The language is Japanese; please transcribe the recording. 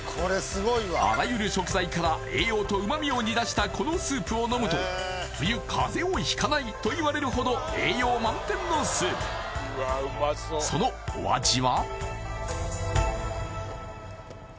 あらゆる食材から栄養と旨味を煮出したこのスープを飲むと冬風邪をひかないといわれるほど栄養満点のスープそのお味は？